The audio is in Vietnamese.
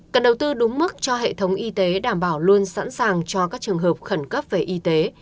cần đầu tư đúng mức cho hệ thống y tế đảm bảo luôn sẵn sàng cho các trường hợp khẩn cấp về y tế